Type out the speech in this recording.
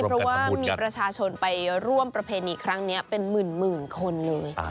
เพราะว่ามีประชาชนไปร่วมประเพณีครั้งนี้เป็นหมื่นคนเลย